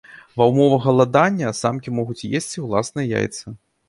Ва ўмовах галадання самкі могуць есці ўласныя яйцы.